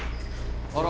あら。